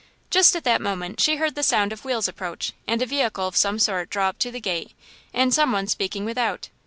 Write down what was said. Just at that moment she heard the sound of wheels approach and a vehicle of some sort draw up to the gate and some one speaking without.